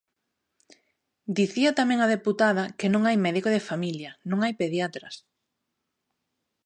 Dicía tamén a deputada que non hai médico de familia, non hai pediatras.